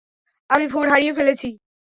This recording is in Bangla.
আমি ফোন হারিয়ে ফেলেছি।